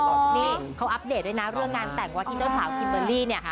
นี่เขาอัปเดตด้วยนะเรื่องงานแต่งวัดที่เจ้าสาวคิมเบอร์รี่เนี่ย